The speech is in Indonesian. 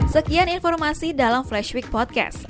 sekian informasi dalam flash week podcast